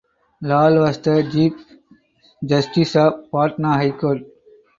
Lal was the Chief Justice of Patna High Court.